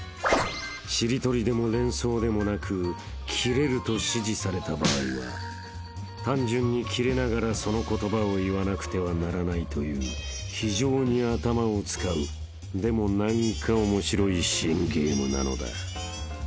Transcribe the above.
［しりとりでも連想でもなくキレると指示された場合は単純にキレながらその言葉を言わなくてはならないという非常に頭を使うでも何かオモシロい新ゲームなのだ］